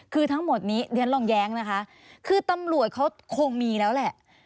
คือทั้งหมดนี้เรียนลองแย้งนะคะคือตำรวจเขาคงมีแล้วแหละ